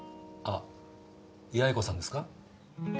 あっ八重子さんですか？